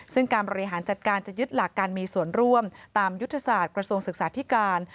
ซึ่งการบริหารจัดการจะยึดหลักการมีส่วนร่วมตามยุทธศาสตร์กระทรวงศึกษาธิการ